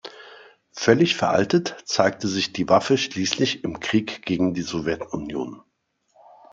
Völlig veraltet zeigte sich die Waffe schließlich im Krieg gegen die Sowjetunion.